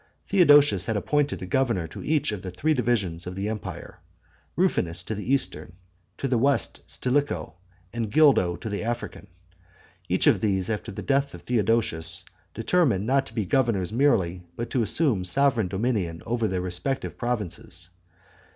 Theodosius had appointed a governor to each of the three divisions of the empire, Ruffinus to the eastern, to the western Stilicho, and Gildo to the African. Each of these, after the death of Theodosius, determined not to be governors merely, but to assume sovereign dominion over their respective provinces.